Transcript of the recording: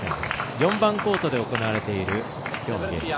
４番コートで行われているきょうのゲーム。